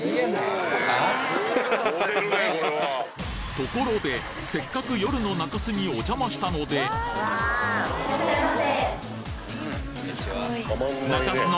ところでせっかく夜の中洲におじゃましたのでいらっしゃいませ。